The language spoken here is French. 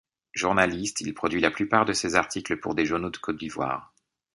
Journaliste, il produit la plupart de ses articles pour des journaux de Côte d'Ivoire.